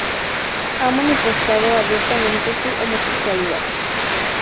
Ha manifestado abiertamente su homosexualidad.